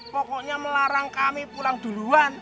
pokoknya melarang kami pulang duluan